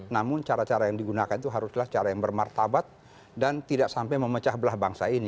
namun cara cara yang digunakan itu haruslah cara yang bermartabat dan tidak sampai memecah belah bangsa ini